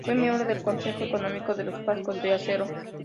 Fue miembro del consejo económico de los Cascos de Acero.